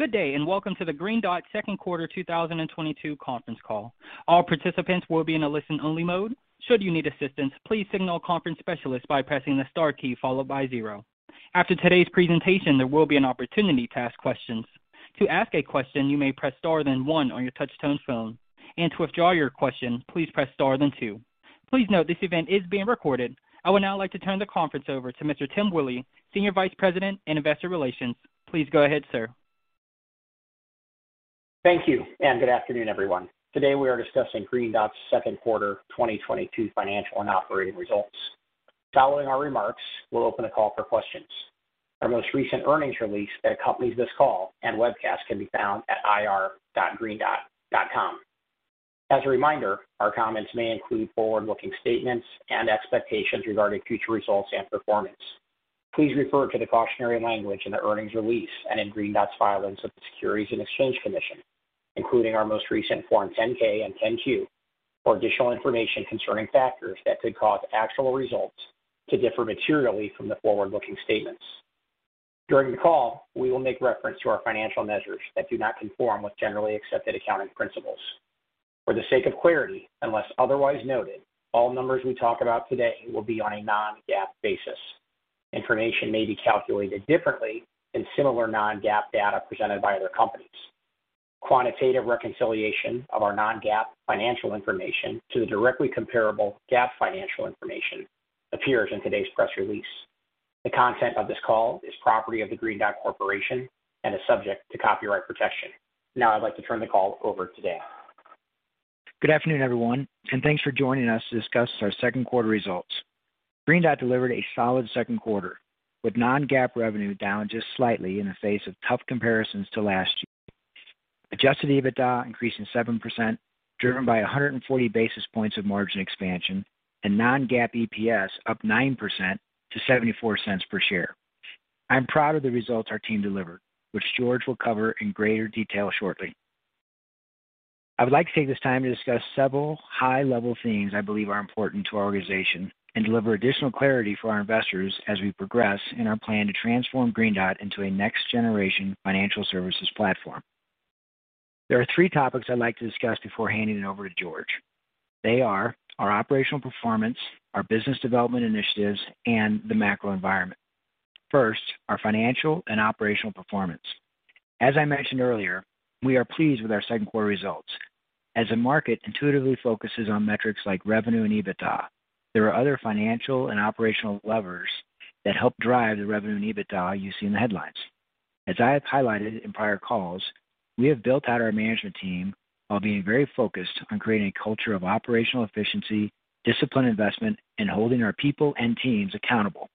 Good day, and welcome to the Green Dot's second quarter 2022 conference call. All participants will be in a listen-only mode. Should you need assistance, please signal a conference specialist by pressing the star key followed by zero. After today's presentation, there will be an opportunity to ask questions. To ask a question, you may press star then one on your touch-tone phone, and to withdraw your question, please press star then two. Please note this event is being recorded. I would now like to turn the conference over to Mr. Tim Willi, Senior Vice President and Investor Relations. Please go ahead, sir. Thank you, and good afternoon, everyone. Today we are discussing Green Dot's second quarter 2022 financial and operating results. Following our remarks, we'll open the call for questions. Our most recent earnings release that accompanies this call and webcast can be found at ir.greendot.com. As a reminder, our comments may include forward-looking statements and expectations regarding future results and performance. Please refer to the cautionary language in the earnings release and in Green Dot's filings with the Securities and Exchange Commission, including our most recent Form 10-K and 10-Q, for additional information concerning factors that could cause actual results to differ materially from the forward-looking statements. During the call, we will make reference to our financial measures that do not conform with generally accepted accounting principles. For the sake of clarity, unless otherwise noted, all numbers we talk about today will be on a non-GAAP basis. Information may be calculated differently than similar non-GAAP data presented by other companies. Quantitative reconciliation of our non-GAAP financial information to the directly comparable GAAP financial information appears in today's press release. The content of this call is property of the Green Dot Corporation and is subject to copyright protection. Now I'd like to turn the call over to Dan. Good afternoon, everyone, and thanks for joining us to discuss our second quarter results. Green Dot delivered a solid second quarter with non-GAAP revenue down just slightly in the face of tough comparisons to last year. Adjusted EBITDA increased 7%, driven by 140 basis points of margin expansion and non-GAAP EPS up 9% to $0.74 per share. I'm proud of the results our team delivered, which George will cover in greater detail shortly. I would like to take this time to discuss several high-level themes I believe are important to our organization and deliver additional clarity for our investors as we progress in our plan to transform Green Dot into a next-generation financial services platform. There are three topics I'd like to discuss before handing it over to George. They are our operational performance, our business development initiatives, and the macro environment. First, our financial and operational performance. As I mentioned earlier, we are pleased with our second quarter results. As the market intuitively focuses on metrics like revenue and EBITDA, there are other financial and operational levers that help drive the revenue and EBITDA you see in the headlines. As I have highlighted in prior calls, we have built out our management team while being very focused on creating a culture of operational efficiency, disciplined investment, and holding our people and teams accountable.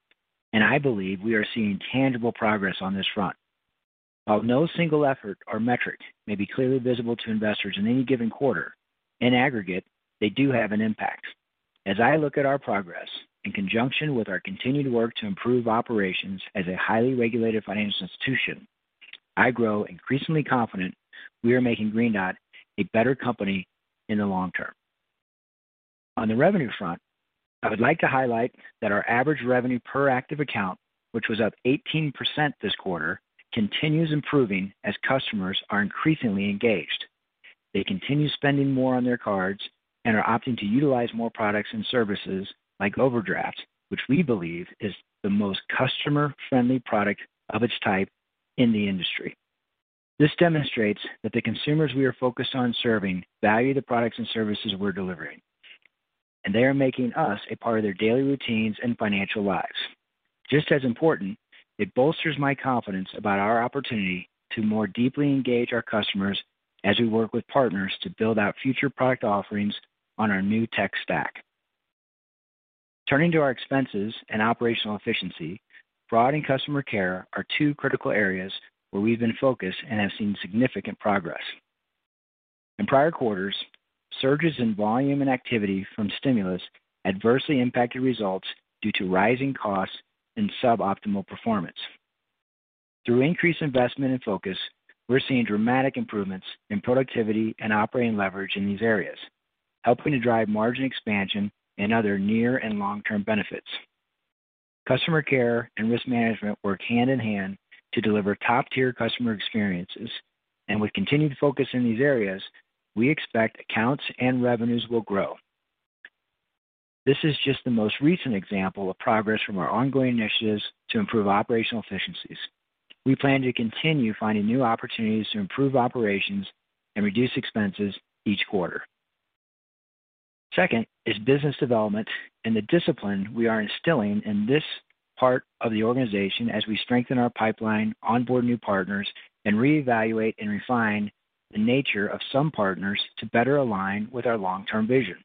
I believe we are seeing tangible progress on this front. While no single effort or metric may be clearly visible to investors in any given quarter, in aggregate, they do have an impact. As I look at our progress in conjunction with our continued work to improve operations as a highly regulated financial institution, I grow increasingly confident we are making Green Dot a better company in the long term. On the revenue front, I would like to highlight that our average revenue per active account, which was up 18% this quarter, continues improving as customers are increasingly engaged. They continue spending more on their cards and are opting to utilize more products and services like overdraft, which we believe is the most customer-friendly product of its type in the industry. This demonstrates that the consumers we are focused on serving value the products and services we're delivering, and they are making us a part of their daily routines and financial lives. Just as important, it bolsters my confidence about our opportunity to more deeply engage our customers as we work with partners to build out future product offerings on our new tech stack. Turning to our expenses and operational efficiency, fraud and customer care are two critical areas where we've been focused and have seen significant progress. In prior quarters, surges in volume and activity from stimulus adversely impacted results due to rising costs and suboptimal performance. Through increased investment and focus, we're seeing dramatic improvements in productivity and operating leverage in these areas, helping to drive margin expansion and other near and long-term benefits. Customer care and risk management work hand in hand to deliver top-tier customer experiences, and with continued focus in these areas, we expect accounts and revenues will grow. This is just the most recent example of progress from our ongoing initiatives to improve operational efficiencies. We plan to continue finding new opportunities to improve operations and reduce expenses each quarter. Second is business development and the discipline we are instilling in this part of the organization as we strengthen our pipeline, onboard new partners, and reevaluate and refine the nature of some partners to better align with our long-term vision.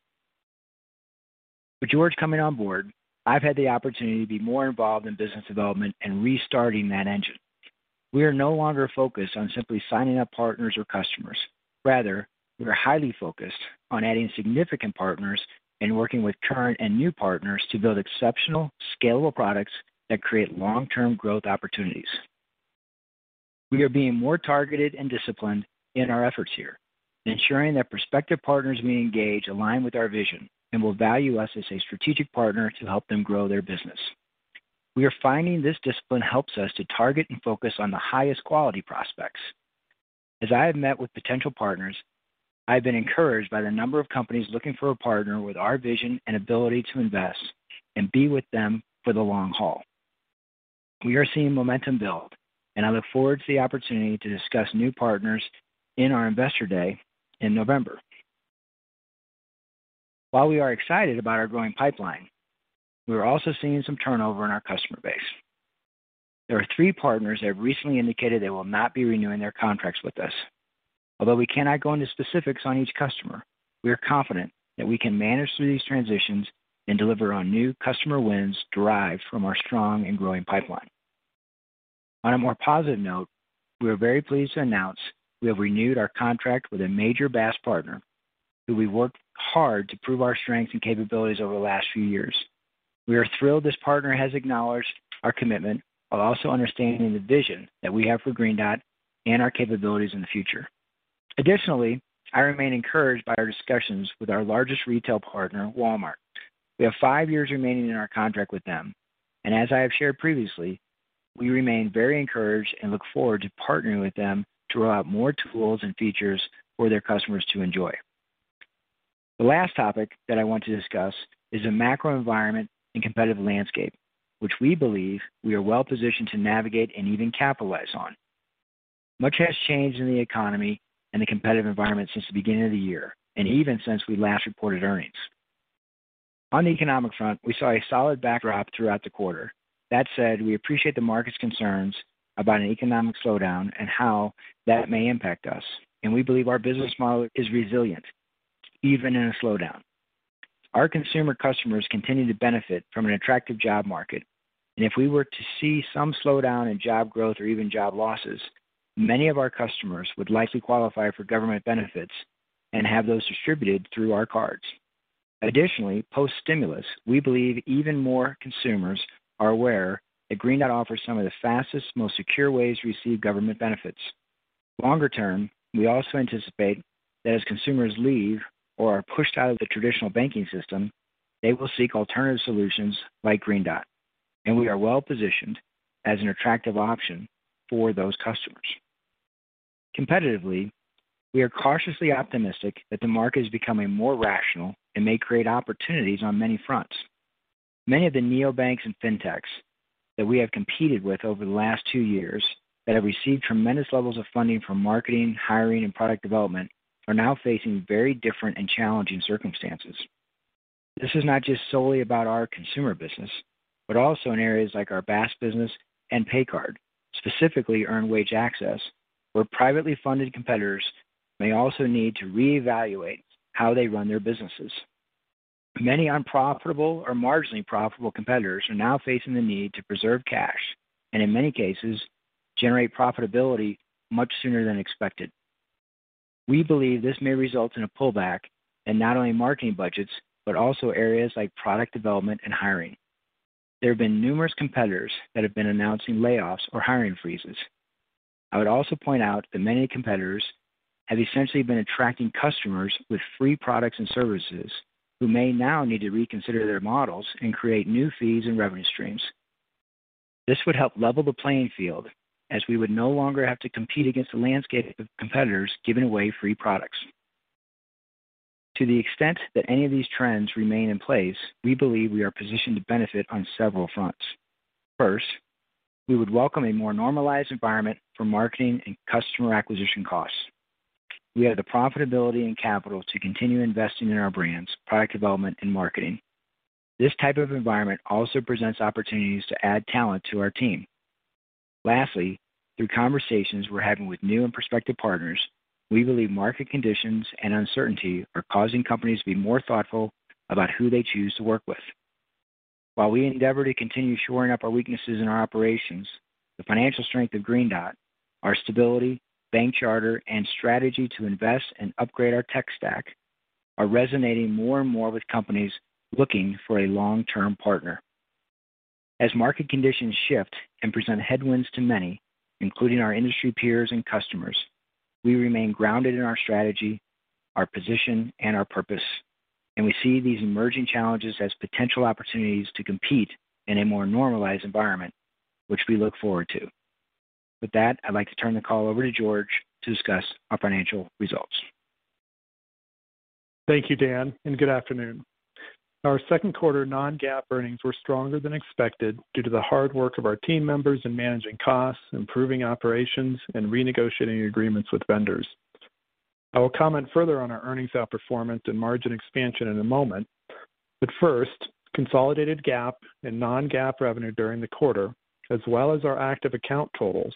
With George coming on board, I've had the opportunity to be more involved in business development and restarting that engine. We are no longer focused on simply signing up partners or customers. Rather, we are highly focused on adding significant partners and working with current and new partners to build exceptional, scalable products that create long-term growth opportunities. We are being more targeted and disciplined in our efforts here, ensuring that prospective partners we engage align with our vision and will value us as a strategic partner to help them grow their business. We are finding this discipline helps us to target and focus on the highest quality prospects. As I have met with potential partners, I've been encouraged by the number of companies looking for a partner with our vision and ability to invest and be with them for the long haul. We are seeing momentum build, and I look forward to the opportunity to discuss new partners in our Investor Day in November. While we are excited about our growing pipeline, we're also seeing some turnover in our customer base. There are three partners that have recently indicated they will not be renewing their contracts with us. Although we cannot go into specifics on each customer, we are confident that we can manage through these transitions and deliver on new customer wins derived from our strong and growing pipeline. On a more positive note, we are very pleased to announce we have renewed our contract with a major BaaS partner who we worked hard to prove our strength and capabilities over the last few years. We are thrilled this partner has acknowledged our commitment while also understanding the vision that we have for Green Dot and our capabilities in the future. Additionally, I remain encouraged by our discussions with our largest retail partner, Walmart. We have five years remaining in our contract with them, and as I have shared previously, we remain very encouraged and look forward to partnering with them to roll out more tools and features for their customers to enjoy. The last topic that I want to discuss is the macro environment and competitive landscape, which we believe we are well-positioned to navigate and even capitalize on. Much has changed in the economy and the competitive environment since the beginning of the year, and even since we last reported earnings. On the economic front, we saw a solid backdrop throughout the quarter. That said, we appreciate the market's concerns about an economic slowdown and how that may impact us, and we believe our business model is resilient, even in a slowdown. Our consumer customers continue to benefit from an attractive job market. If we were to see some slowdown in job growth or even job losses, many of our customers would likely qualify for government benefits and have those distributed through our cards. Additionally, post-stimulus, we believe even more consumers are aware that Green Dot offers some of the fastest, most secure ways to receive government benefits. Longer term, we also anticipate that as consumers leave or are pushed out of the traditional banking system, they will seek alternative solutions like Green Dot, and we are well-positioned as an attractive option for those customers. Competitively, we are cautiously optimistic that the market is becoming more rational and may create opportunities on many fronts. Many of the neobanks and fintechs that we have competed with over the last two years that have received tremendous levels of funding for marketing, hiring, and product development are now facing very different and challenging circumstances. This is not just solely about our consumer business, but also in areas like our BaaS business and pay card, specifically Earned Wage Access, where privately funded competitors may also need to reevaluate how they run their businesses. Many unprofitable or marginally profitable competitors are now facing the need to preserve cash and, in many cases, generate profitability much sooner than expected. We believe this may result in a pullback in not only marketing budgets, but also areas like product development and hiring. There have been numerous competitors that have been announcing layoffs or hiring freezes. I would also point out that many competitors have essentially been attracting customers with free products and services who may now need to reconsider their models and create new fees and revenue streams. This would help level the playing field, as we would no longer have to compete against the landscape of competitors giving away free products. To the extent that any of these trends remain in place, we believe we are positioned to benefit on several fronts. First, we would welcome a more normalized environment for marketing and customer acquisition costs. We have the profitability and capital to continue investing in our brands, product development, and marketing. This type of environment also presents opportunities to add talent to our team. Lastly, through conversations we're having with new and prospective partners, we believe market conditions and uncertainty are causing companies to be more thoughtful about who they choose to work with. While we endeavor to continue shoring up our weaknesses in our operations, the financial strength of Green Dot, our stability, bank charter, and strategy to invest and upgrade our tech stack are resonating more and more with companies looking for a long-term partner. As market conditions shift and present headwinds to many, including our industry peers and customers, we remain grounded in our strategy, our position, and our purpose, and we see these emerging challenges as potential opportunities to compete in a more normalized environment, which we look forward to. With that, I'd like to turn the call over to George to discuss our financial results. Thank you, Dan, and good afternoon. Our second quarter non-GAAP earnings were stronger than expected due to the hard work of our team members in managing costs, improving operations, and renegotiating agreements with vendors. I will comment further on our earnings outperformance and margin expansion in a moment. Consolidated GAAP and non-GAAP revenue during the quarter, as well as our active account totals,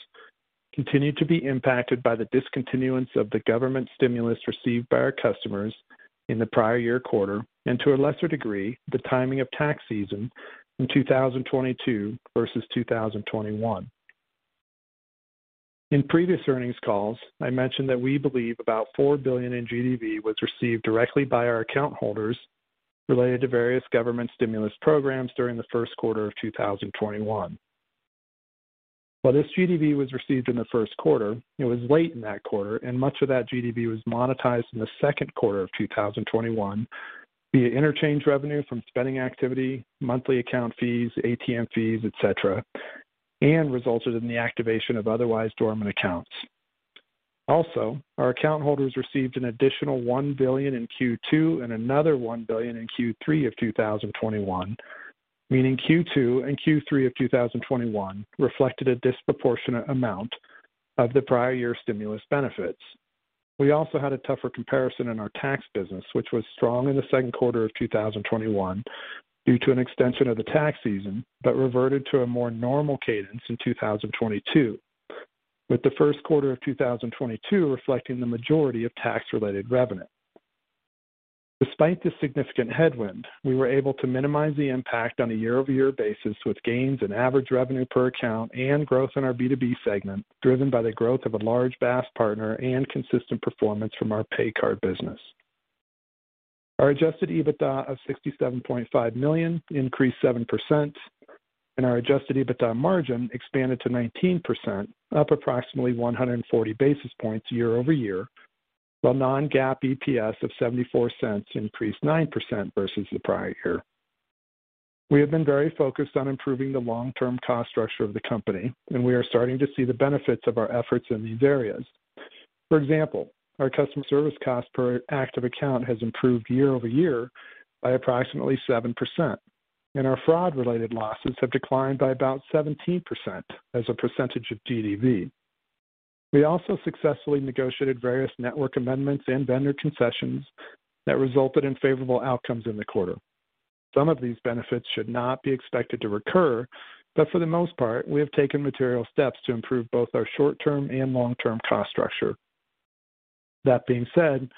continued to be impacted by the discontinuance of the government stimulus received by our customers in the prior year quarter and, to a lesser degree, the timing of tax season in 2022 versus 2021. In previous earnings calls, I mentioned that we believe about $4 billion in GDV was received directly by our account holders related to various government stimulus programs during the first quarter of 2021. While this GDV was received in the first quarter, it was late in that quarter, and much of that GDV was monetized in the second quarter of 2021 via interchange revenue from spending activity, monthly account fees, ATM fees, etc, and resulted in the activation of otherwise dormant accounts. Our account holders received an additional $1 billion in Q2 and another $1 billion in Q3 of 2021, meaning Q2 and Q3 of 2021 reflected a disproportionate amount of the prior year stimulus benefits. We also had a tougher comparison in our tax business, which was strong in the second quarter of 2021 due to an extension of the tax season, but reverted to a more normal cadence in 2022, with the first quarter of 2022 reflecting the majority of tax-related revenue. Despite this significant headwind, we were able to minimize the impact on a year-over-year basis with gains in average revenue per account and growth in our B2B segment, driven by the growth of a large BaaS partner and consistent performance from our pay card business. Our adjusted EBITDA of $67.5 million increased 7% and our adjusted EBITDA margin expanded to 19%, up approximately 140 basis points year-over-year, while non-GAAP EPS of $0.74 increased 9% versus the prior year. We have been very focused on improving the long-term cost structure of the company, and we are starting to see the benefits of our efforts in these areas. For example, our customer service cost per active account has improved year-over-year by approximately 7%, and our fraud-related losses have declined by about 17% as a percentage of GDV. We also successfully negotiated various network amendments and vendor concessions that resulted in favorable outcomes in the quarter. Some of these benefits should not be expected to recur, but for the most part, we have taken material steps to improve both our short-term and long-term cost structure. That being said,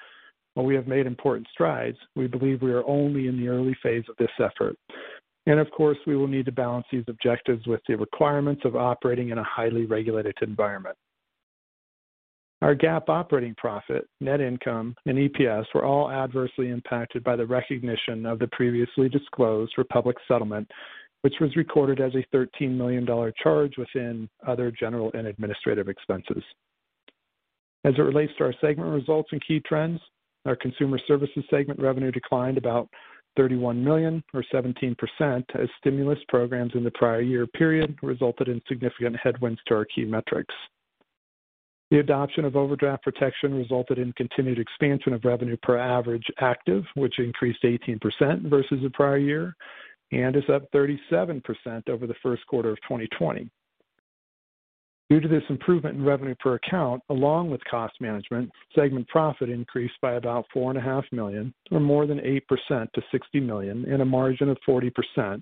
while we have made important strides, we believe we are only in the early phase of this effort. Of course, we will need to balance these objectives with the requirements of operating in a highly regulated environment. Our GAAP operating profit, net income, and EPS were all adversely impacted by the recognition of the previously disclosed Republic settlement, which was recorded as a $13 million charge within other general and administrative expenses. As it relates to our segment results and key trends, our Consumer Services segment revenue declined about $31 million or 17% as stimulus programs in the prior year period resulted in significant headwinds to our key metrics. The adoption of overdraft protection resulted in continued expansion of revenue per average active, which increased 18% versus the prior year and is up 37% over the first quarter of 2020. Due to this improvement in revenue per account along with cost management, segment profit increased by about $4.5 million or more than 8% to $60 million with a margin of 40%,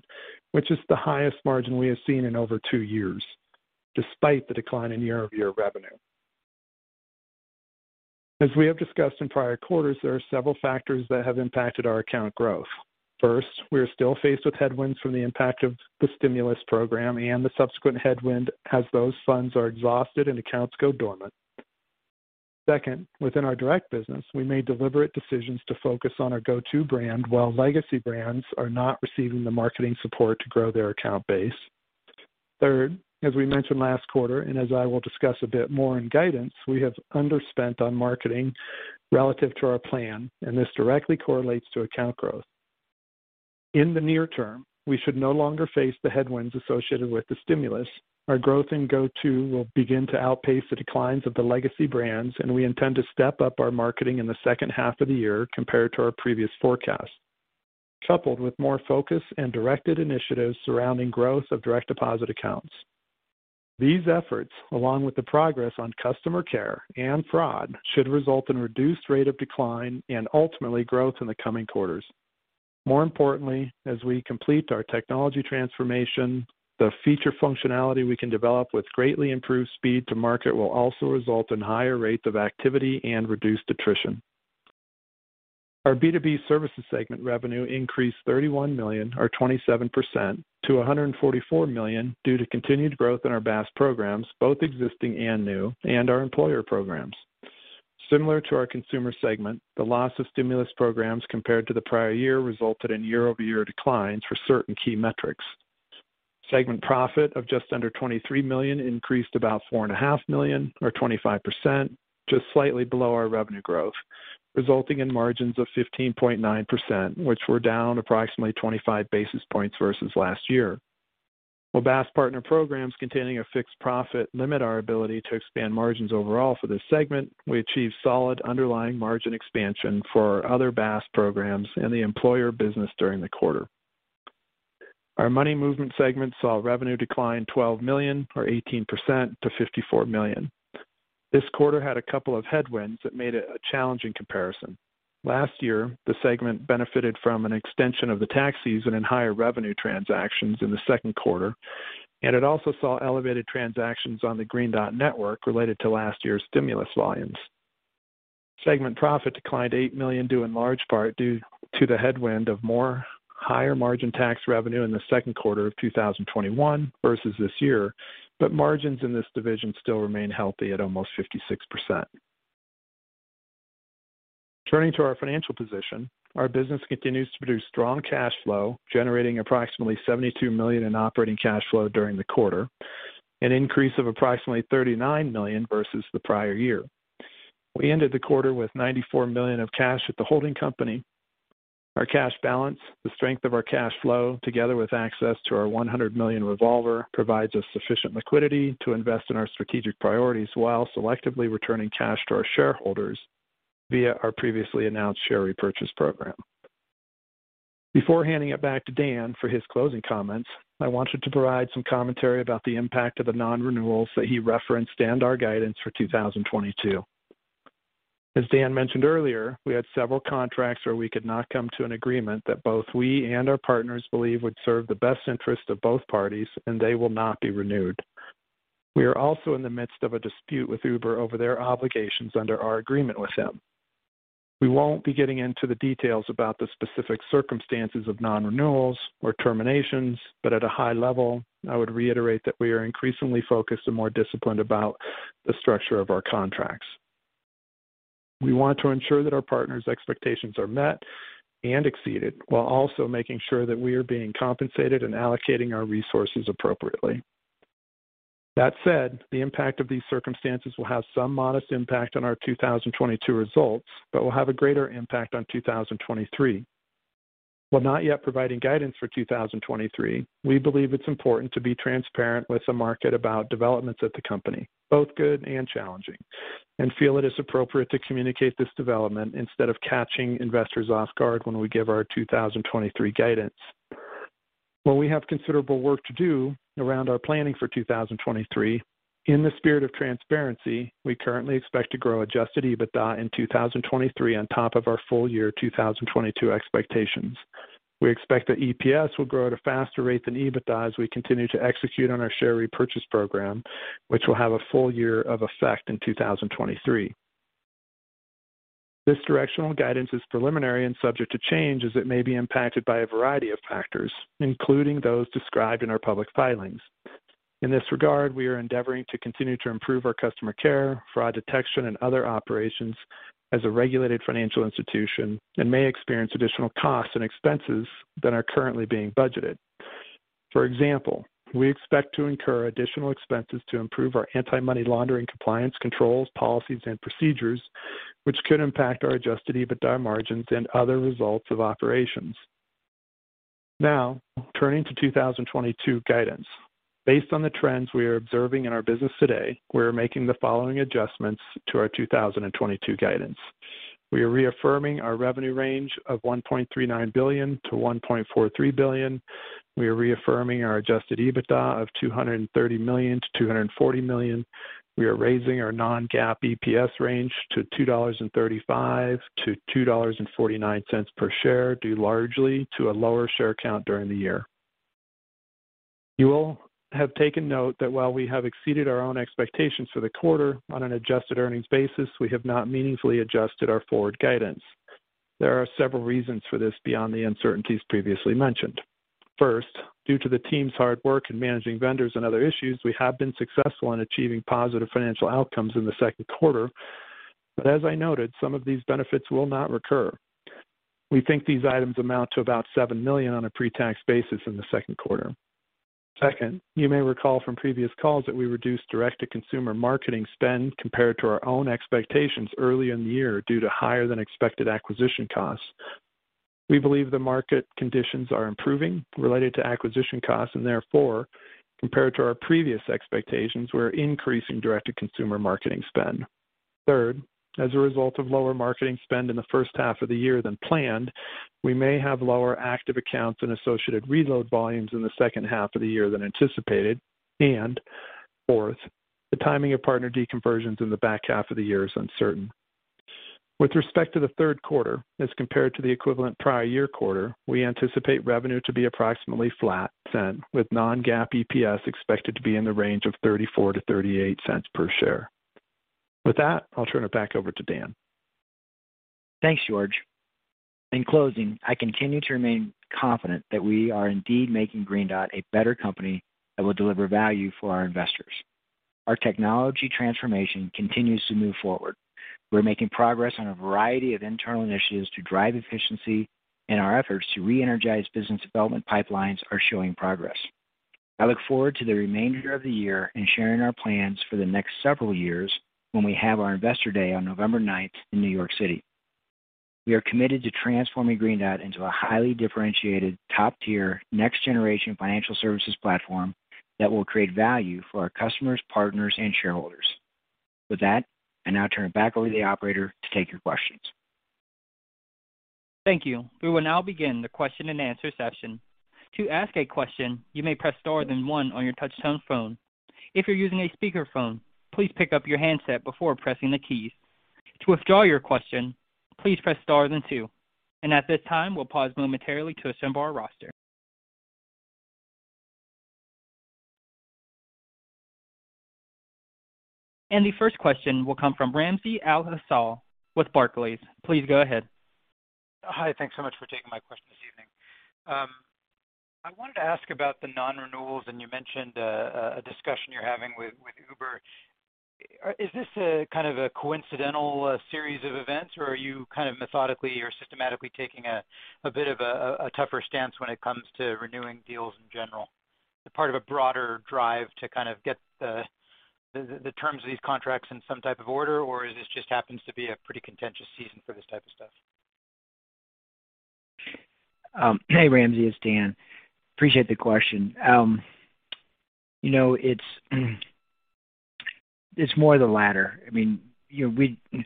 which is the highest margin we have seen in over two years despite the decline in year-over-year revenue. As we have discussed in prior quarters, there are several factors that have impacted our account growth. First, we are still faced with headwinds from the impact of the stimulus program and the subsequent headwind as those funds are exhausted and accounts go dormant. Second, within our direct business, we made deliberate decisions to focus on our GO2bank while legacy brands are not receiving the marketing support to grow their account base. Third, as we mentioned last quarter, and as I will discuss a bit more in guidance, we have underspent on marketing relative to our plan, and this directly correlates to account growth. In the near term, we should no longer face the headwinds associated with the stimulus. Our growth in GO2 will begin to outpace the declines of the legacy brands, and we intend to step up our marketing in the second half of the year compared to our previous forecast, coupled with more focus and directed initiatives surrounding growth of direct deposit accounts. These efforts, along with the progress on customer care and fraud, should result in reduced rate of decline and ultimately growth in the coming quarters. More importantly, as we complete our technology transformation, the feature functionality we can develop with greatly improved speed to market will also result in higher rates of activity and reduced attrition. Our B2B services segment revenue increased $31 million or 27% to $144 million due to continued growth in our BaaS programs, both existing and new, and our employer programs. Similar to our consumer segment, the loss of stimulus programs compared to the prior year resulted in year-over-year declines for certain key metrics. Segment profit of just under $23 million increased about $4.5 million or 25%, just slightly below our revenue growth, resulting in margins of 15.9%, which were down approximately 25 basis points versus last year. While BaaS partner programs containing a fixed profit limit our ability to expand margins overall for this segment, we achieved solid underlying margin expansion for our other BaaS programs and the employer business during the quarter. Our money movement segment saw revenue decline $12 million or 18% to $54 million. This quarter had a couple of headwinds that made it a challenging comparison. Last year, the segment benefited from an extension of the tax season and higher revenue transactions in the second quarter, and it also saw elevated transactions on the Green Dot Network related to last year's stimulus volumes. Segment profit declined $8 million due in large part to the headwind of more higher margin tax revenue in the second quarter of 2021 versus this year, but margins in this division still remain healthy at almost 56%. Turning to our financial position. Our business continues to produce strong cash flow, generating approximately $72 million in operating cash flow during the quarter, an increase of approximately $39 million versus the prior year. We ended the quarter with $94 million of cash at the holding company. Our cash balance, the strength of our cash flow, together with access to our $100 million revolver, provides us sufficient liquidity to invest in our strategic priorities while selectively returning cash to our shareholders via our previously announced share repurchase program. Before handing it back to Dan for his closing comments, I wanted to provide some commentary about the impact of the non-renewals that he referenced and our guidance for 2022. As Dan mentioned earlier, we had several contracts where we could not come to an agreement that both we and our partners believe would serve the best interest of both parties, and they will not be renewed. We are also in the midst of a dispute with Uber over their obligations under our agreement with them. We won't be getting into the details about the specific circumstances of non-renewals or terminations, but at a high level, I would reiterate that we are increasingly focused and more disciplined about the structure of our contracts. We want to ensure that our partners' expectations are met and exceeded, while also making sure that we are being compensated and allocating our resources appropriately. That said, the impact of these circumstances will have some modest impact on our 2022 results, but will have a greater impact on 2023. While not yet providing guidance for 2023, we believe it's important to be transparent with the market about developments at the company, both good and challenging, and feel it is appropriate to communicate this development instead of catching investors off guard when we give our 2023 guidance. While we have considerable work to do around our planning for 2023, in the spirit of transparency, we currently expect to grow adjusted EBITDA in 2023 on top of our full year 2022 expectations. We expect that EPS will grow at a faster rate than EBITDA as we continue to execute on our share repurchase program, which will have a full year of effect in 2023. This directional guidance is preliminary and subject to change as it may be impacted by a variety of factors, including those described in our public filings. In this regard, we are endeavoring to continue to improve our customer care, fraud detection and other operations as a regulated financial institution and may experience additional costs and expenses than are currently being budgeted. For example, we expect to incur additional expenses to improve our anti-money laundering compliance controls, policies and procedures, which could impact our adjusted EBITDA margins and other results of operations. Now turning to 2022 guidance. Based on the trends we are observing in our business today, we are making the following adjustments to our 2022 guidance. We are reaffirming our revenue range of $1.39 billion-$1.43 billion. We are reaffirming our adjusted EBITDA of $230 million-$240 million. We are raising our non-GAAP EPS range to $2.35-$2.49 per share, due largely to a lower share count during the year. You all have taken note that while we have exceeded our own expectations for the quarter on an adjusted earnings basis, we have not meaningfully adjusted our forward guidance. There are several reasons for this beyond the uncertainties previously mentioned. First, due to the team's hard work in managing vendors and other issues, we have been successful in achieving positive financial outcomes in the second quarter. As I noted, some of these benefits will not recur. We think these items amount to about $7 million on a pre-tax basis in the second quarter. Second, you may recall from previous calls that we reduced direct to consumer marketing spend compared to our own expectations early in the year due to higher than expected acquisition costs. We believe the market conditions are improving related to acquisition costs and therefore compared to our previous expectations, we're increasing direct to consumer marketing spend. Third, as a result of lower marketing spend in the first half of the year than planned, we may have lower active accounts and associated reload volumes in the second half of the year than anticipated. Fourth, the timing of partner deconversions in the back half of the year is uncertain. With respect to the third quarter as compared to the equivalent prior year quarter, we anticipate revenue to be approximately flat, with non-GAAP EPS expected to be in the range of $0.34-$0.38 per share. With that, I'll turn it back over to Dan. Thanks, George. In closing, I continue to remain confident that we are indeed making Green Dot a better company that will deliver value for our investors. Our technology transformation continues to move forward. We're making progress on a variety of internal initiatives to drive efficiency, and our efforts to reenergize business development pipelines are showing progress. I look forward to the remainder of the year and sharing our plans for the next several years when we have our Investor Day on November 9th in New York City. We are committed to transforming Green Dot into a highly differentiated, top tier, next generation financial services platform that will create value for our customers, partners and shareholders. With that, I now turn it back over to the operator to take your questions. Thank you. We will now begin the question-and-answer session. To ask a question, you may press star then one on your touch-tone phone. If you're using a speakerphone, please pick up your handset before pressing the keys. To withdraw your question, please press star then two. At this time, we'll pause momentarily to assemble our roster. The first question will come from Ramsey El-Assal with Barclays. Please go ahead. Hi. Thanks so much for taking my question this evening. I wanted to ask about the non-renewals, and you mentioned a discussion you're having with Uber. Is this a kind of coincidental series of events, or are you kind of methodically or systematically taking a bit of a tougher stance when it comes to renewing deals in general? Part of a broader drive to kind of get the terms of these contracts in some type of order, or is this just happens to be a pretty contentious season for this type of stuff? Hey, Ramsey, it's Dan. Appreciate the question. You know, it's more the latter. I mean, you know,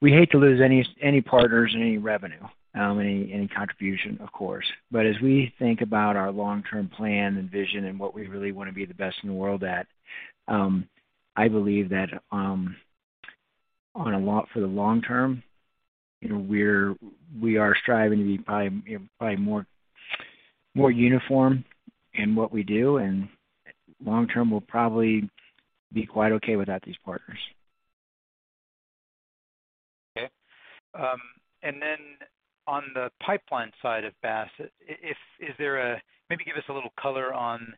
we hate to lose any partners, any revenue, any contribution, of course. As we think about our long-term plan and vision and what we really wanna be the best in the world at, I believe that, for the long term, you know, we are striving to be probably more uniform in what we do, and long term, we'll probably be quite okay without these partners. Okay. On the pipeline side of BaaS, is there a, maybe give us a little color on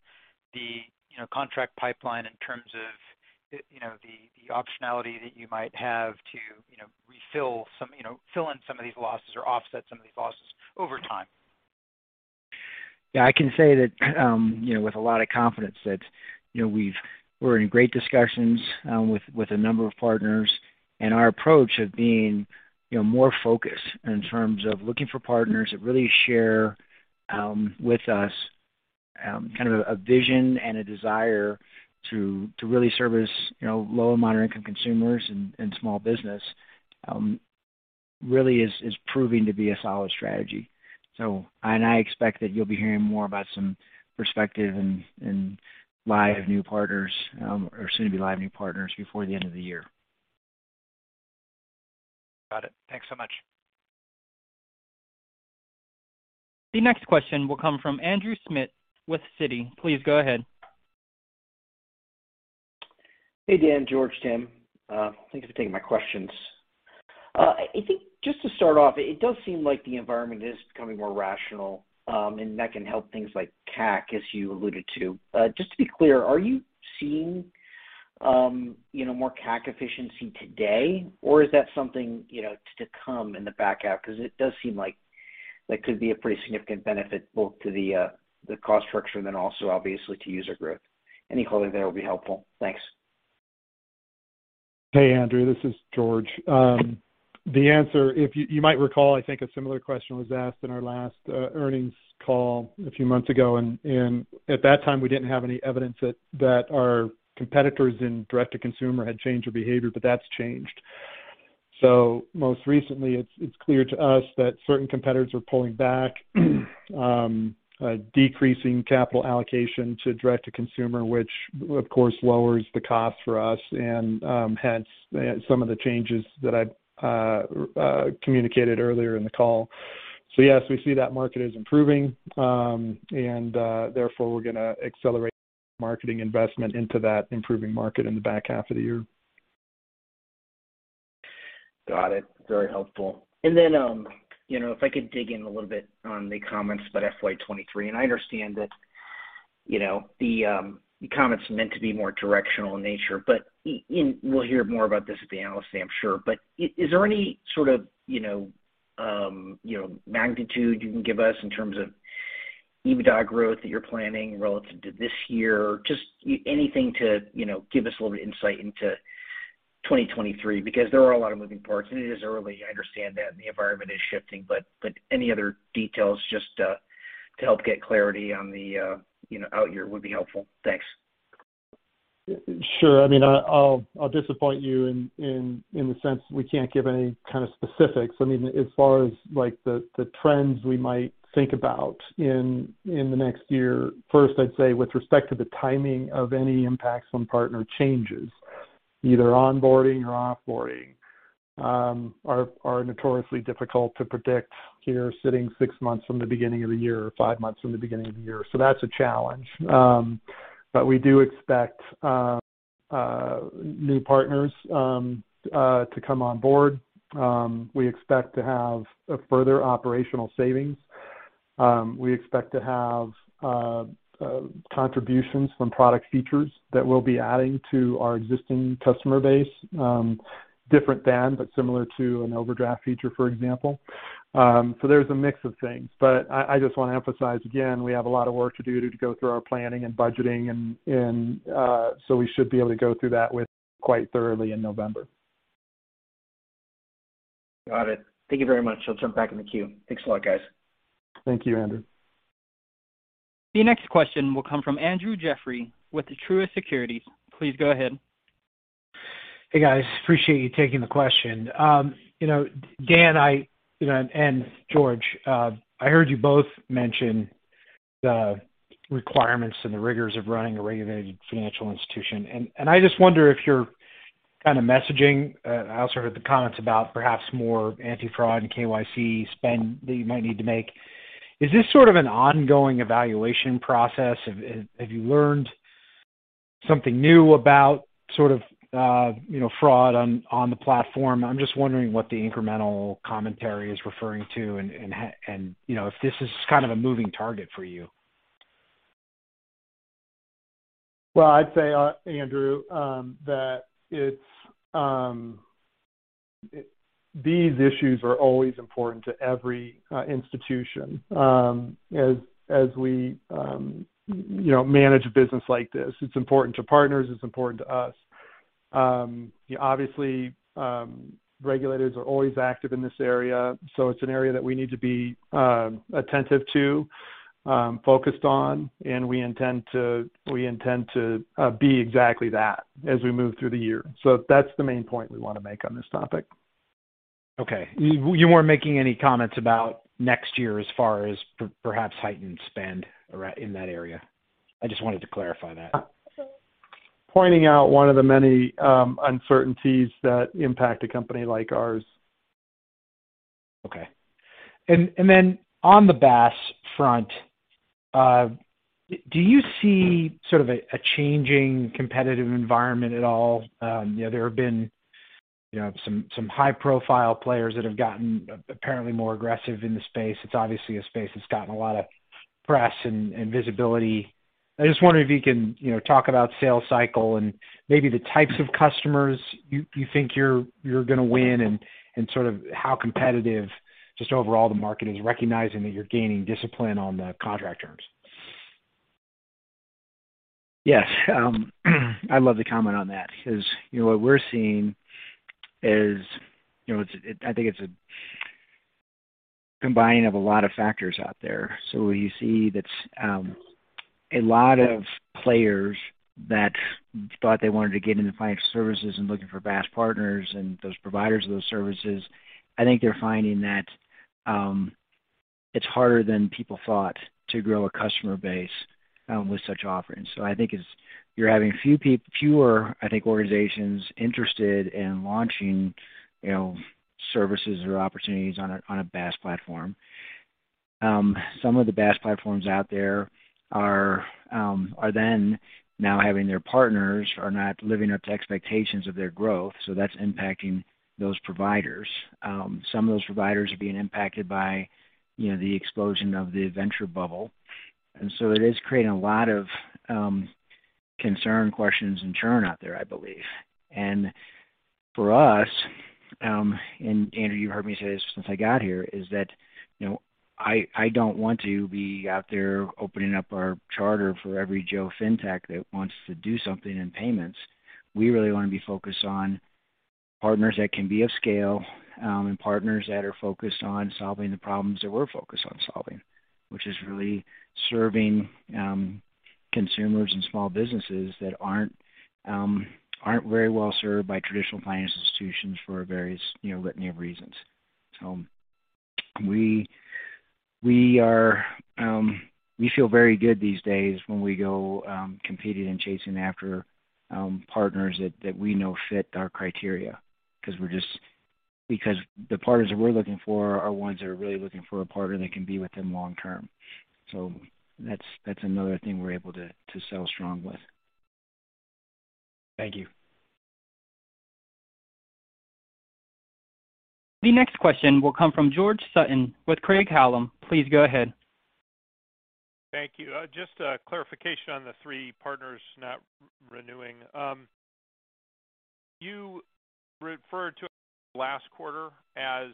the, you know, contract pipeline in terms of, you know, the optionality that you might have to, you know, refill some, you know, fill in some of these losses or offset some of these losses over time. Yeah, I can say that, you know, with a lot of confidence that, you know, we're in great discussions with a number of partners and our approach of being, you know, more focused in terms of looking for partners that really share with us kind of a vision and a desire to really service, you know, low and moderate income consumers and small business really is proving to be a solid strategy. I expect that you'll be hearing more about some prospective and live new partners or soon to be live new partners before the end of the year. Got it. Thanks so much. The next question will come from Andrew Schmidt with Citi. Please go ahead. Hey, Dan, George, Tim. Thank you for taking my questions. I think just to start off, it does seem like the environment is becoming more rational, and that can help things like CAC, as you alluded to. Just to be clear, are you seeing, you know, more CAC efficiency today, or is that something, you know, to come in the back half? Because it does seem like that could be a pretty significant benefit both to the cost structure then also obviously to user growth. Any color there will be helpful. Thanks. Hey, Andrew. This is George. The answer, you might recall, I think a similar question was asked in our last earnings call a few months ago, and at that time, we didn't have any evidence that our competitors in direct to consumer had changed their behavior, but that's changed. Most recently it's clear to us that certain competitors are pulling back, decreasing capital allocation to direct to consumer, which of course lowers the cost for us and hence some of the changes that I've communicated earlier in the call. Yes, we see that market is improving, and therefore we're gonna accelerate marketing investment into that improving market in the back half of the year. Got it. Very helpful. You know, if I could dig in a little bit on the comments about FY 2023, and I understand that, you know, the comment's meant to be more directional in nature. We'll hear more about this at the Investor Day, I'm sure. Is there any sort of, you know, magnitude you can give us in terms of EBITDA growth that you're planning relative to this year? Just anything to, you know, give us a little bit of insight into 2023, because there are a lot of moving parts, and it is early, I understand that, and the environment is shifting. Any other details just to help get clarity on the, you know, out year would be helpful. Thanks. Sure. I mean, I'll disappoint you in the sense we can't give any kind of specifics. I mean, as far as like the trends we might think about in the next year. First, I'd say with respect to the timing of any impacts on partner changes, either onboarding or off-boarding, are notoriously difficult to predict here sitting six months from the beginning of the year or five months from the beginning of the year. That's a challenge. We do expect new partners to come on board. We expect to have a further operational savings. We expect to have contributions from product features that we'll be adding to our existing customer base, different than but similar to an overdraft feature, for example. There's a mix of things. I just wanna emphasize again, we have a lot of work to do to go through our planning and budgeting and so we should be able to go through that with quite thoroughly in November. Got it. Thank you very much. I'll jump back in the queue. Thanks a lot, guys. Thank you, Andrew. The next question will come from Andrew Jeffrey with Truist Securities. Please go ahead. Hey, guys. Appreciate you taking the question. You know, Dan and George, I heard you both mention the requirements and the rigors of running a regulated financial institution. I just wonder if you're kind of messaging. I also heard the comments about perhaps more anti-fraud and KYC spend that you might need to make. Is this sort of an ongoing evaluation process? Have you learned something new about sort of, you know, fraud on the platform. I'm just wondering what the incremental commentary is referring to and, you know, if this is kind of a moving target for you. Well, I'd say, Andrew, that it's these issues are always important to every institution, as we you know, manage a business like this. It's important to partners, it's important to us. Obviously, regulators are always active in this area, so it's an area that we need to be attentive to, focused on, and we intend to be exactly that as we move through the year. That's the main point we wanna make on this topic. Okay. You weren't making any comments about next year as far as perhaps heightened spend in that area? I just wanted to clarify that. Pointing out one of the many uncertainties that impact a company like ours. Okay. Then on the BaaS front, do you see sort of a changing competitive environment at all? You know, there have been you know, some high-profile players that have gotten apparently more aggressive in the space. It's obviously a space that's gotten a lot of press and visibility. I just wonder if you can, you know, talk about sales cycle and maybe the types of customers you think you're gonna win and sort of how competitive just overall the market is recognizing that you're gaining discipline on the contract terms. Yes. I'd love to comment on that because, you know, what we're seeing is, you know, it's a combining of a lot of factors out there. You see that, a lot of players that thought they wanted to get into financial services and looking for BaaS partners and those providers of those services, I think they're finding that, it's harder than people thought to grow a customer base, with such offerings. I think it's you're having fewer, I think, organizations interested in launching, you know, services or opportunities on a, on a BaaS platform. Some of the BaaS platforms out there are then now having their partners are not living up to expectations of their growth, so that's impacting those providers. Some of those providers are being impacted by, you know, the explosion of the venture bubble. It is creating a lot of concern, questions and churn out there, I believe. For us, and Andrew, you've heard me say this since I got here, is that, you know, I don't want to be out there opening up our charter for every Joe fintech that wants to do something in payments. We really wanna be focused on partners that can be of scale, and partners that are focused on solving the problems that we're focused on solving, which is really serving consumers and small businesses that aren't very well served by traditional financial institutions for various, you know, litany of reasons. We feel very good these days when we go competing and chasing after partners that we know fit our criteria because the partners that we're looking for are ones that are really looking for a partner that can be with them long term. That's another thing we're able to sell strong with. Thank you. The next question will come from George Sutton with Craig-Hallum. Please go ahead. Thank you. Just a clarification on the three partners not renewing. You referred to last quarter as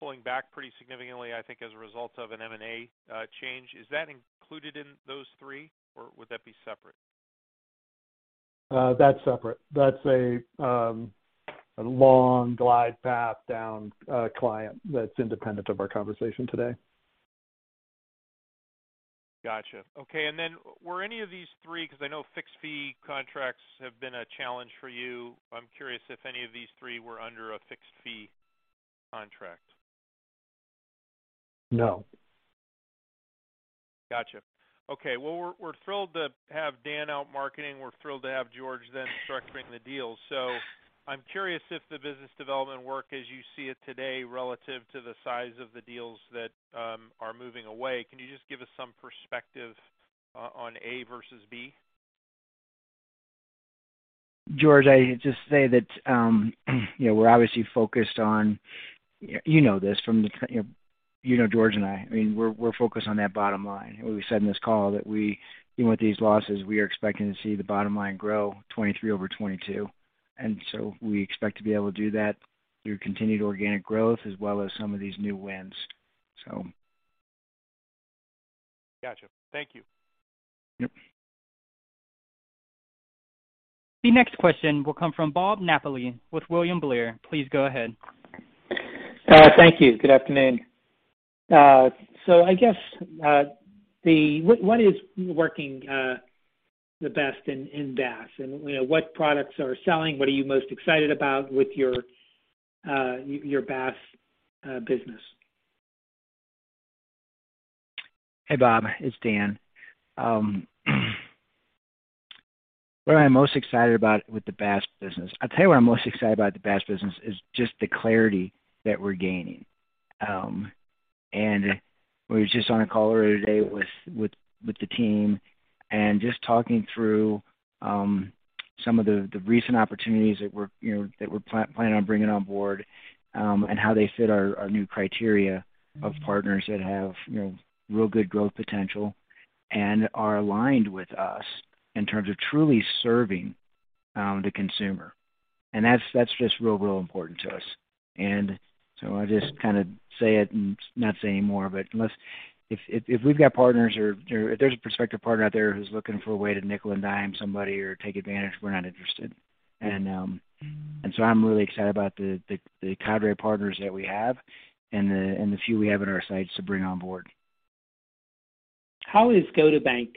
pulling back pretty significantly, I think, as a result of an M&A change. Is that included in those three, or would that be separate? That's separate. That's a long glide path down, client that's independent of our conversation today. Gotcha. Okay. Were any of these three, 'cause I know fixed fee contracts have been a challenge for you. I'm curious if any of these three were under a fixed fee contract? No. Gotcha. Well, we're thrilled to have Dan out marketing. We're thrilled to have George then structuring the deals. I'm curious if the business development work as you see it today relative to the size of the deals that are moving away. Can you just give us some perspective on A versus B? George, I just say that, you know, we're obviously focused on that bottom line. You know George and I. I mean, we're focused on that bottom line. We said in this call that we, even with these losses, we are expecting to see the bottom line grow 2023 over 2022. We expect to be able to do that through continued organic growth as well as some of these new wins. Gotcha. Thank you. Yep. The next question will come from Bob Napoli with William Blair. Please go ahead. Thank you. Good afternoon. I guess what is working the best in BaaS? You know, what products are selling? What are you most excited about with your BaaS business? Hey, Bob, it's Dan. What I'm most excited about with the BaaS business. I'll tell you what I'm most excited about the BaaS business is just the clarity that we're gaining. We were just on a call earlier today with the team and just talking through some of the recent opportunities that we're you know planning on bringing on board and how they fit our new criteria of partners that have you know real good growth potential and are aligned with us in terms of truly serving the consumer. That's just real important to us. I just kinda say it and not say any more. Unless if we've got partners or if there's a prospective partner out there who's looking for a way to nickel and dime somebody or take advantage, we're not interested. I'm really excited about the cadre of partners that we have and the few we have in our sights to bring on board. How is GO2bank?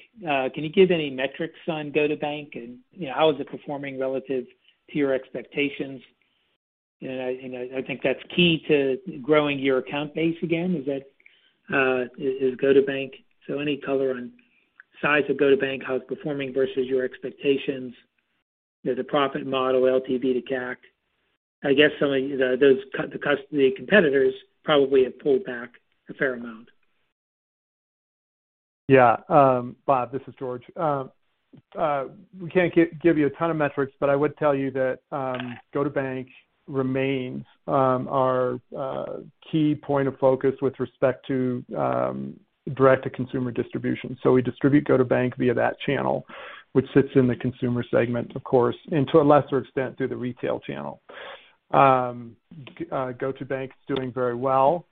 Can you give any metrics on GO2bank and, you know, how is it performing relative to your expectations? I think that's key to growing your account base again, is that GO2bank. Any color on size of GO2bank, how it's performing versus your expectations. You know, the profit model, LTV to CAC. I guess some of those competitors probably have pulled back a fair amount. Yeah. Bob, this is George. We can't give you a ton of metrics, but I would tell you that GO2bank remains our key point of focus with respect to direct-to-consumer distribution. We distribute GO2bank via that channel, which sits in the consumer segment, of course, and to a lesser extent, through the retail channel. GO2bank is doing very well.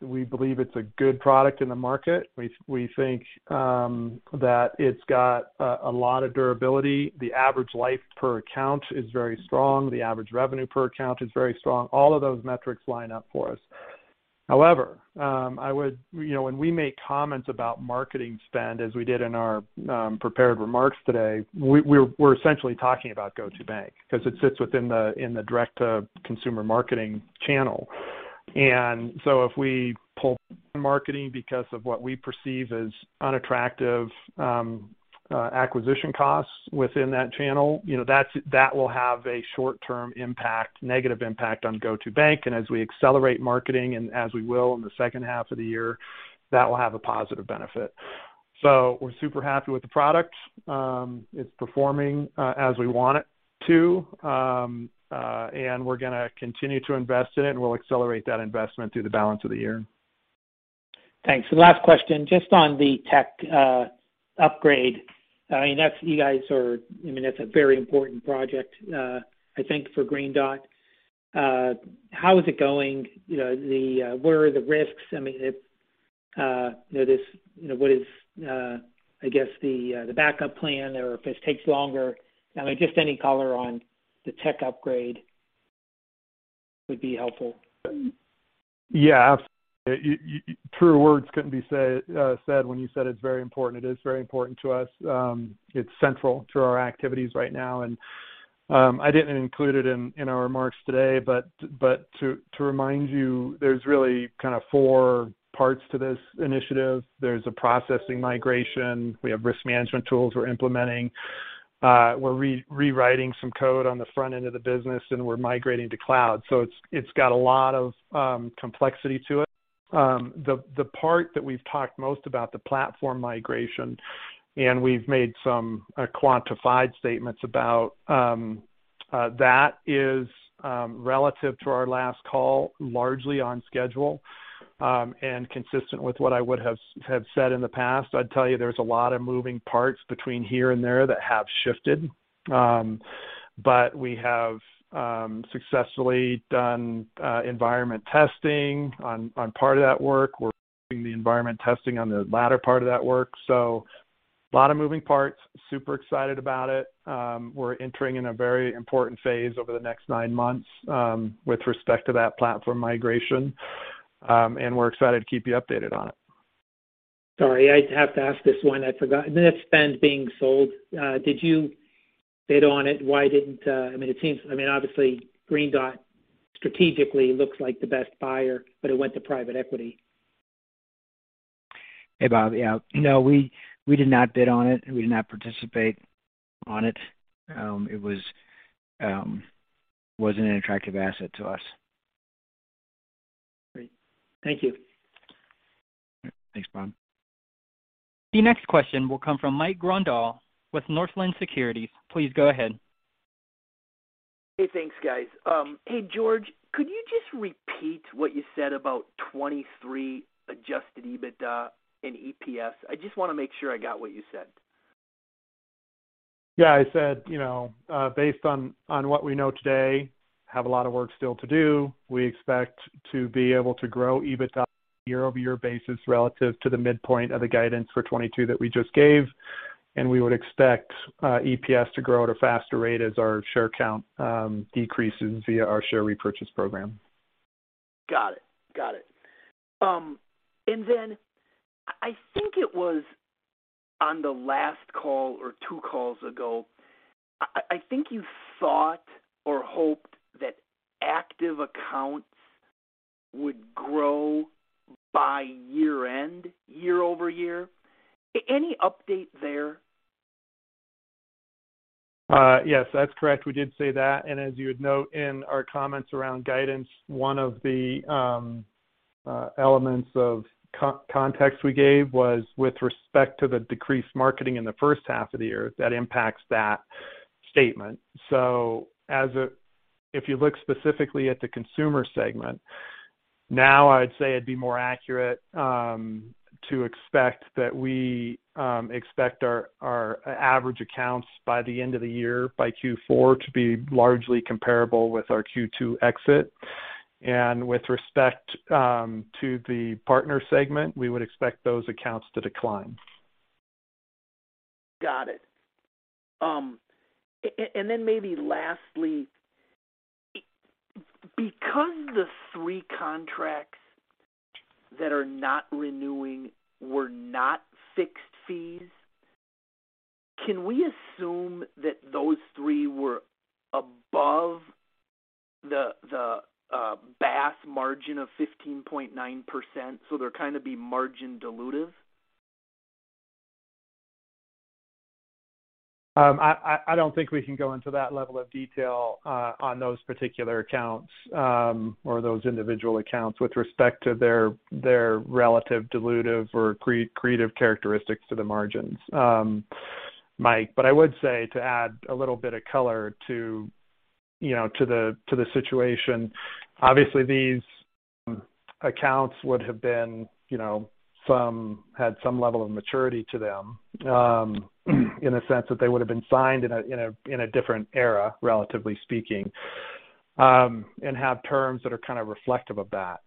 We believe it's a good product in the market. We think that it's got a lot of durability. The average life per account is very strong. The average revenue per account is very strong. All of those metrics line up for us. However, when we make comments about marketing spend, as we did in our prepared remarks today, we're essentially talking about GO2bank because it sits within the in the direct consumer marketing channel. If we pull marketing because of what we perceive as unattractive acquisition costs within that channel, you know, that will have a short-term impact, negative impact on GO2bank. As we accelerate marketing and as we will in the second half of the year, that will have a positive benefit. We're super happy with the product. It's performing as we want it to. We're gonna continue to invest in it, and we'll accelerate that investment through the balance of the year. Thanks. The last question, just on the tech upgrade. I mean, that's a very important project, I think for Green Dot. How is it going? You know, what are the risks? I mean, if you know this, you know, what is, I guess the backup plan or if this takes longer. I mean, just any color on the tech upgrade would be helpful. Truer words couldn't be said when you said it's very important. It is very important to us. It's central to our activities right now. I didn't include it in our remarks today, but to remind you, there's really kind of four parts to this initiative. There's a processing migration. We have risk management tools we're implementing. We're rewriting some code on the front end of the business, and we're migrating to cloud. It's got a lot of complexity to it. The part that we've talked most about, the platform migration, and we've made some quantified statements about that is relative to our last call, largely on schedule, and consistent with what I would have said in the past. I'd tell you there's a lot of moving parts between here and there that have shifted. We have successfully done environment testing on part of that work. We're doing the environment testing on the latter part of that work. A lot of moving parts. Super excited about it. We're entering in a very important phase over the next nine months with respect to that platform migration. We're excited to keep you updated on it. Sorry, I have to ask this one. I forgot. Netspend being sold, did you bid on it? Why didn't, I mean, it seems, I mean, obviously Green Dot strategically looks like the best buyer, but it went to private equity. Hey, Bob. Yeah. No, we did not bid on it. We did not participate on it. It wasn't an attractive asset to us. Great. Thank you. Thanks, Bob. The next question will come from Mike Grondahl with Northland Securities. Please go ahead. Hey, thanks, guys. Hey, George, could you just repeat what you said about 2023 adjusted EBITDA and EPS? I just wanna make sure I got what you said. Yeah. I said, you know, based on what we know today, have a lot of work still to do. We expect to be able to grow EBITDA year-over-year basis relative to the midpoint of the guidance for 2022 that we just gave. We would expect EPS to grow at a faster rate as our share count decreases via our share repurchase program. Got it. I think it was on the last call or two calls ago. I think you thought or hoped that active accounts would grow by year-end, year-over-year. Any update there? Yes, that's correct. We did say that. As you would note in our comments around guidance, one of the elements of context we gave was with respect to the decreased marketing in the first half of the year that impacts that statement. If you look specifically at the consumer segment, now I'd say it'd be more accurate to expect that we expect our average accounts by the end of the year, by Q4, to be largely comparable with our Q2 exit. With respect to the partner segment, we would expect those accounts to decline. Got it. Maybe lastly, because the three contracts that are not renewing were not fixed fees, can we assume that those three were above the BaaS margin of 15.9%, so they're kinda be margin dilutive? I don't think we can go into that level of detail on those particular accounts or those individual accounts with respect to their relative dilutive or creative characteristics to the margins, Mike. But I would say to add a little bit of color to the situation, you know, obviously these accounts would have been, you know, some had some level of maturity to them in a sense that they would have been signed in a different era, relatively speaking, and have terms that are kind of reflective of that.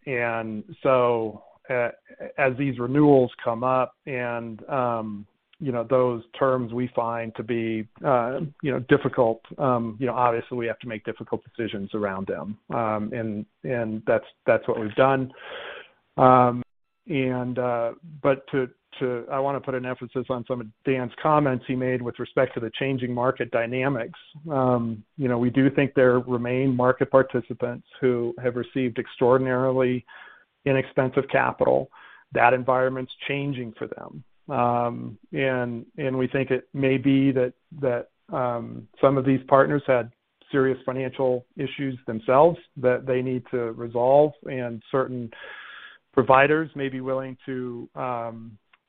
As these renewals come up and those terms we find to be difficult, you know, obviously we have to make difficult decisions around them. That's what we've done. I wanna put an emphasis on some of Dan's comments he made with respect to the changing market dynamics. You know, we do think there remain market participants who have received extraordinarily inexpensive capital. That environment's changing for them. We think it may be that some of these partners had serious financial issues themselves that they need to resolve, and certain providers may be willing to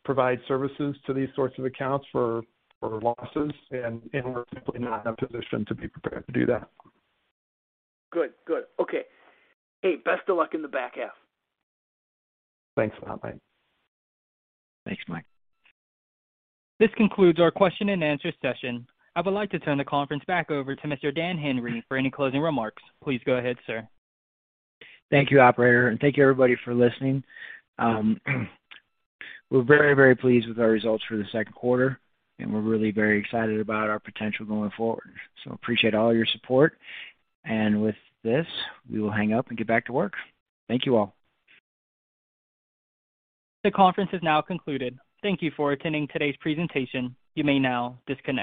provide services to these sorts of accounts for losses. We're simply not in a position to be prepared to do that. Good. Okay. Hey, best of luck in the back half. Thanks a lot, Mike. Thanks, Mike. This concludes our question-and-answer session. I would like to turn the conference back over to Mr. Dan Henry for any closing remarks. Please go ahead, sir. Thank you, operator, and thank you everybody for listening. We're very pleased with our results for the second quarter, and we're really very excited about our potential going forward. Appreciate all your support. With this, we will hang up and get back to work. Thank you all. The conference is now concluded. Thank you for attending today's presentation. You may now disconnect.